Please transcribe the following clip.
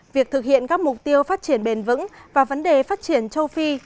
việc thực hiện các mục tiêu phát triển bền vững và vấn đề phát triển châu phi